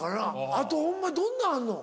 あとホンマにどんなんあんの？